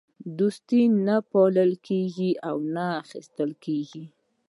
دوستي نه پلورل کېږي او نه اخیستل کېږي.